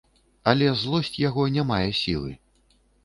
Але злосць яго не мае сілы.